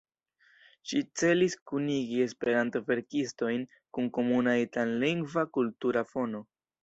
Ĝi celis kunigi Esperanto-verkistojn kun komuna itallingva kultura fono.